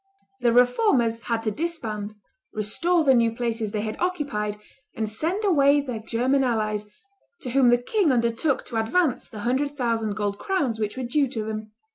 The Reformers had to disband, restore the new places they had occupied, and send away their German allies, to whom the king undertook to advance the hundred thousand gold crowns which were due to them.